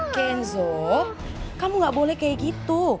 kenzo kamu gak boleh kayak gitu